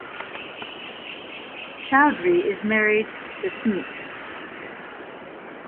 Chaudhry is married to Smt.